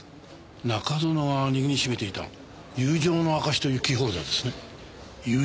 中園が握りしめていた友情の証しというキーホルダーですね。